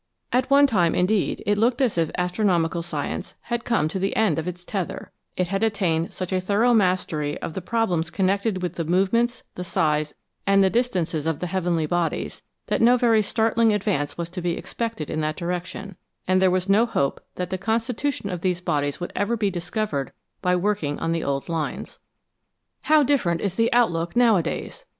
At one time, indeed, it looked as if astronomical science had come to the end of its tether ; it had attained such a thorough mastery of the problems connected with tlif movements, the size, and the distances of the heavenly bodies, that no very startling advance was to be expected in that direction, and there was no hope that the con stitution of these bodies would ever be discovered by working on the old lines. 203 CHEMISTRY OF THE STARS How different is the outlook nowadays